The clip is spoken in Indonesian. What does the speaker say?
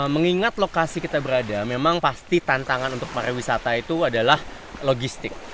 mengingat lokasi kita berada memang pasti tantangan untuk para wisata itu adalah logistik